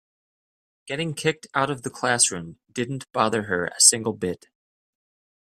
Getting kicked out of the classroom didn't bother her a single bit.